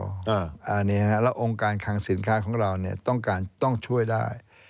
แล้วองค์การคางสินค้าของเราเนี่ยต้องการต้องช่วยได้